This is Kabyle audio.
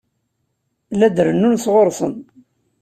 La d-rennun sɣur-sen.